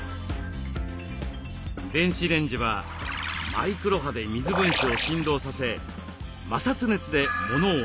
電子レンジはマイクロ波で水分子を振動させ摩擦熱で物を温めます。